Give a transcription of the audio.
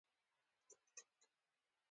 د سر په سر ټکو یا شارحې لپاره جمله ولیکي.